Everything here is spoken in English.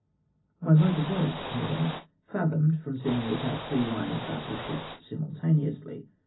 My motive was, no doubt, fathomed from seeing me attack three hne of battle ships simultaneously.